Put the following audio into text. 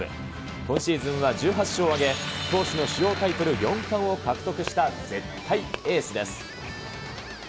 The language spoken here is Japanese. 今シーズンは１８勝を挙げ、投手の主要タイトル４冠を獲得した絶対エースです。